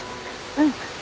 うん。